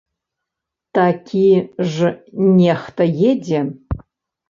Такі ж нехта едзе!